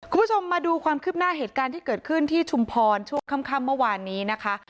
คุณผู้ชมมาดูความคืบหน้าเหตุการณ์ที่เกิดขึ้นที่ชุมพรช่วงค่ำเมื่อวานนี้นะคะ